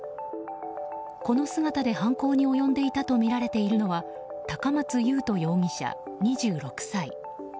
この姿で犯行に及んでいたとみられているのは高松祐斗容疑者、２６歳。